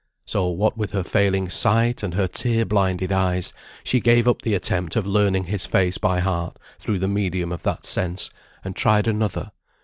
So what with her failing sight, and her tear blinded eyes, she gave up the attempt of learning his face by heart through the medium of that sense, and tried another.